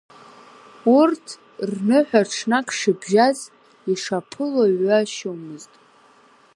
Урҭ рныҳәа ҽнак шыбжьаз ишаԥыло ҩашьомызт.